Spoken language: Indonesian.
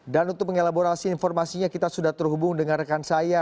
dan untuk mengelaborasi informasinya kita sudah terhubung dengan rekan saya